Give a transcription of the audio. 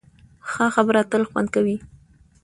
ښه خبره تل خوند لري.